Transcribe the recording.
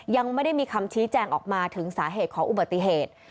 ยังไม่ได้มีคำชี้แจงออกมาถึงสาเหตุของอุบัติเหตุ